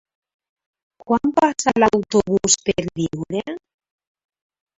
Quan passa l'autobús per Biure?